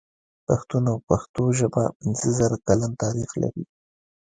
پښتون او پښتو ژبه پنځه زره کلن تاريخ لري.